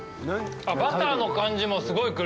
バターの感じもすごいくる。